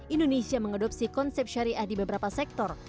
indonesia mengadopsi konsep syariah di beberapa sektor